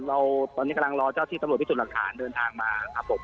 เราตอนนี้กำลังรอเจ้าที่ตำรวจพิสูจน์หลักฐานเดินทางมาครับผม